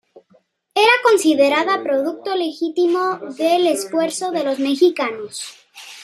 Era considerada producto legítimo del esfuerzo de los mexicanos.